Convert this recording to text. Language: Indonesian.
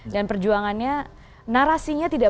dan perjuangannya narasinya tidak